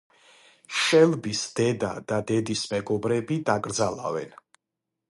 შელბის დედა და დედის მეგობრები დაკრძალავენ.